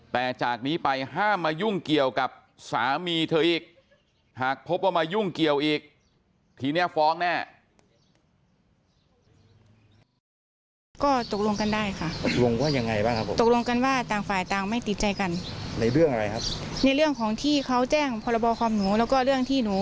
แต่จากนี้ไปห้ามมายุ่งเกี่ยวกับสามีเธออีกหากพบว่ามายุ่งเกี่ยวอีกทีเนี้ยฟ้องแน่